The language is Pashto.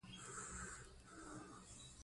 مس د افغانستان د چاپیریال د مدیریت لپاره مهم دي.